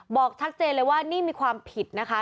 บอกชัดเจนเลยว่านี่มีความผิดนะคะ